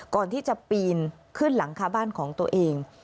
ก่อนที่จะปีนขึ้นหลังคาบ้านของตัวเอง